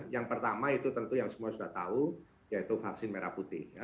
yang pertama itu tentu yang semua sudah tahu yaitu vaksin merah putih